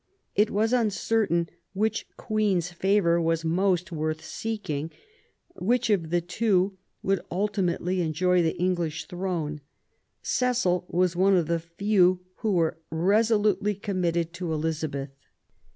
It was uncertain which Queen's favour was most worth seeking, which of the two would PROBLEMS OF THE REIGN. 87 ultimately enjoy the English throne, Cecil was one of the few who were resolutely committed to Glizabeth.